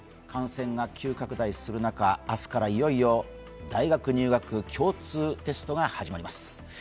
感染が急拡大する中、明日からはいよいよ大学入試共通テストが始まります。